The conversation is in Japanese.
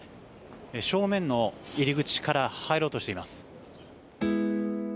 正面の入り口から入ろうとしています。